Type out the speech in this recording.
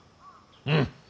うん。